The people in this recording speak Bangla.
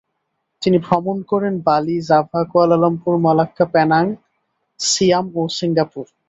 তিনি ভ্রমণ করেন Bali, Java, Kuala Lumpur, Malacca, Penang, Siam ও সিঙ্গাপুর।